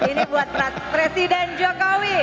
ini buat presiden jokowi